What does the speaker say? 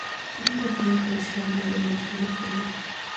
Tiene una breve aparición en la novela El símbolo perdido